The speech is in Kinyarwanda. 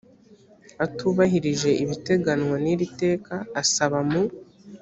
atubahirije ibiteganywa n iri teka asaba mu